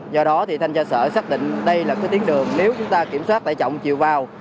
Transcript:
do đó thanh tra sở xác định đây là tuyến đường nếu chúng ta kiểm soát tải trọng chiều vào